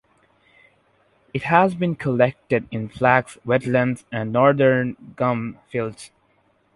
It has been collected in flax wetlands and northern gum fields.